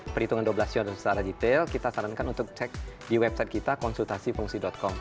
perhitungan dua belas shor secara detail kita sarankan untuk cek di website kita konsultasifungsi com